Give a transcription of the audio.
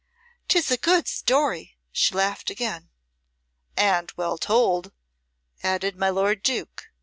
"'Tis a good story!" she laughed again. "And well told," added my lord Duke.